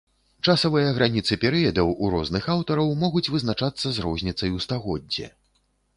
Часавыя граніцы перыядаў у розных аўтараў могуць вызначацца з розніцай у стагоддзе.